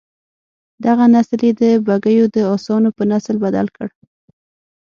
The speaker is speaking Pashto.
دغه نسل یې د بګیو د اسانو په نسل بدل کړ.